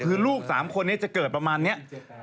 คือลูก๓คนนี้จะเกิดประมาณนี้